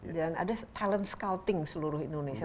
dan ada talent scouting seluruh indonesia